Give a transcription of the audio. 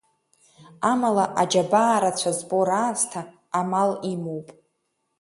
Амала, аџьабаа рацәа збо раасҭа, амал имоуп.